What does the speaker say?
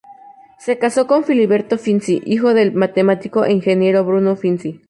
Se casó con Filiberto Finzi, hijo del matemático e ingeniero Bruno Finzi.